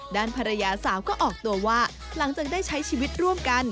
ด้านภรรยาสาวก็ออกตัวว่าหลังจากได้ใช้ชีวิตร่วมกัน